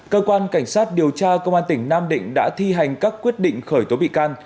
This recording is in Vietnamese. cơ quan cảnh sát điều tra công an tỉnh nam định đã thi hành các quyết định khởi tố bị can